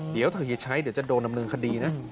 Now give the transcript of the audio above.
เดี๋ยวถ้าเฮียใช้เดี๋ยวจะโดนดำเนินคดีนะ